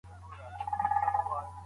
تاسي دا لیکنه تر پایه ولولئ.